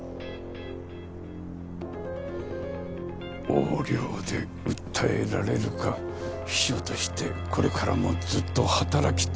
横領で訴えられるか秘書としてこれからもずっと働き続けるか。